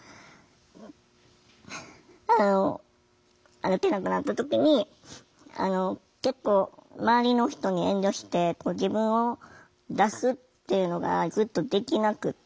歩けなくなった時に結構周りの人に遠慮して自分を出すっていうのがずっとできなくって。